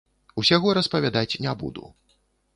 Усяго распавядаць не буду.